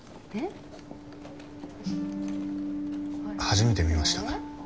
初めて見ました。